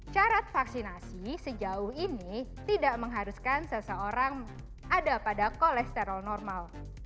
syarat vaksinasi sejauh ini tidak mengharuskan seseorang ada pada kolesterol normal